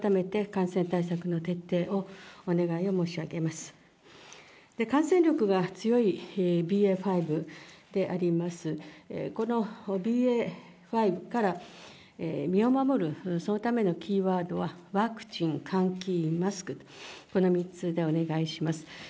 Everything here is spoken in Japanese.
感染力が強いＢＡ．５であります、このＢＡ．５から身を守るそのためのキーワードは、ワクチン、換気、マスク、この３つでお願いします。